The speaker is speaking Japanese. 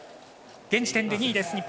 現時点で２位です。